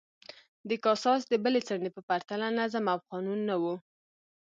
د کاساس د بلې څنډې په پرتله نظم او قانون نه و